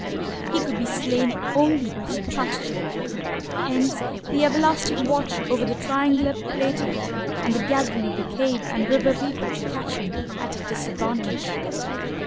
He could be slain only by strategy. Hence the everlasting watch over the triangular plateau and the gathering of the cave and river people to catch him at a disadvantage.